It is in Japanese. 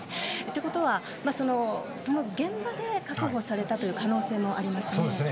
ということは現場で確保されたという可能性もありますね。